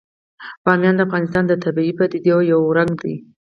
بامیان د افغانستان د طبیعي پدیدو یو رنګ دی.